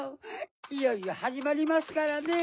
いよいよはじまりますからね。